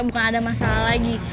bukan ada masalah lagi